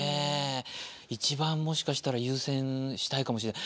一番もしかしたら優先したいかもしれない。